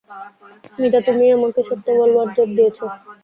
মিতা, তুমিই আমাকে সত্য বলবার জোর দিয়েছ।